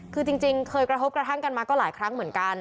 คือจริงเคยกระทบกระทั่งกันมาก็หลายครั้งเหมือนกัน